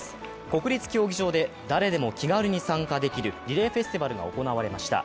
国立競技場で誰でも気軽に参加できるリレーフェスティバルが行われました。